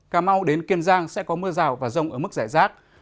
cà mau đến kiên giang sẽ có mưa rào và rông ở mức giải rác